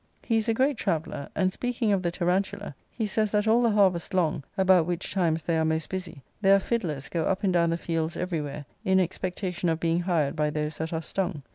He is a great traveller; and, speaking of the tarantula, he says that all the harvest long (about which times they are most busy) there are fidlers go up and down the fields every where, in expectation of being hired by those that are stung.